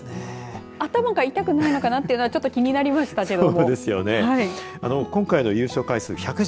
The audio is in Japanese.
頭が痛くないのかなというのは気になりましたけど。